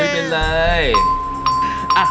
๓เป็นเลยลูก